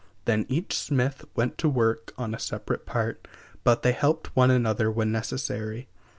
Then each smith went to work on a separate part; but they helped one another when necessary.